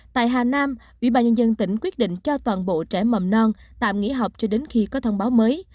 tại hà nam ủy ban nhân dân tỉnh quyết định cho toàn bộ trẻ mầm non tạm nghỉ học cho đến khi có thông báo mới